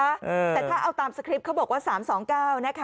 แต่ถ้าเอาตามสคริปต์เขาบอกว่า๓๒๙นะคะ